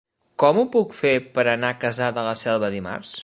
Com ho puc fer per anar a Cassà de la Selva dimarts?